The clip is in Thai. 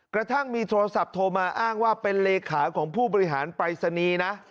กระทั่งมีโทรศัพท์โทรมาอ้างว่าเป็นเลขาของผู้บริหารปรายศนีย์นะ